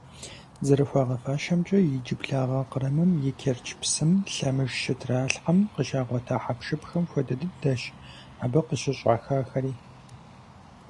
ЗэрыхуагъэфащэмкӀэ, иджыблагъэ Кърымым и Керчь псым лъэмыж щытралъхьэм къыщагъуэта хьэпшыпхэм хуэдэ дыдэщ абы къыщыщӀахахэри.